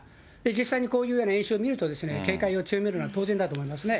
実際にこういうような演習を見ると、警戒を強めるのは当然だと思いますね。